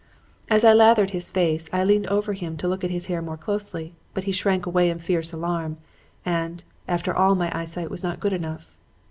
"As I lathered his face, I leaned over him to look at his hair more closely, but he shrank away in fierce alarm, and after all my eyesight was not good enough.